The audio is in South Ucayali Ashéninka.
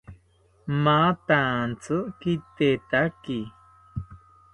Mathantzi kitetaki